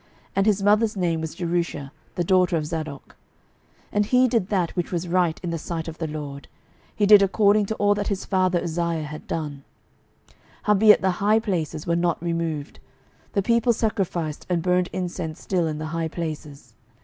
And his mother's name was Jerusha, the daughter of Zadok. 12:015:034 And he did that which was right in the sight of the LORD: he did according to all that his father Uzziah had done. 12:015:035 Howbeit the high places were not removed: the people sacrificed and burned incense still in the high places.